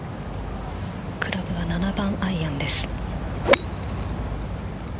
クラブは７番アイアンです。